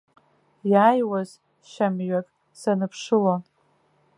Иааиуаз шьамҩак саныԥшылон.